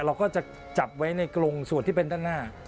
เราก็จะจับไว้ในกรงส่วนที่เป็นด้านหน้า